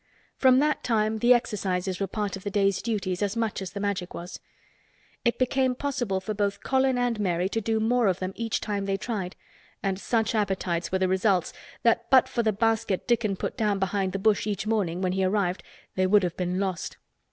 From that time the exercises were part of the day's duties as much as the Magic was. It became possible for both Colin and Mary to do more of them each time they tried, and such appetites were the results that but for the basket Dickon put down behind the bush each morning when he arrived they would have been lost.